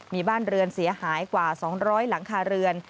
มีบ้านเรือนเสียหายกว่า๒๐๐หลังคาเรือน